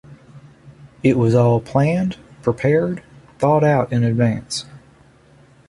It was all planned, prepared, thought out in advance.